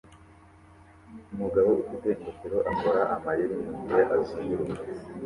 Umugabo ufite ingofero akora amayeri mugihe azunguruka